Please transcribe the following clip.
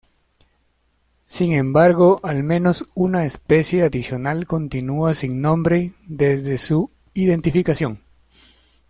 Sin embargo, al menos una especie adicional continúa sin nombre desde su identificación.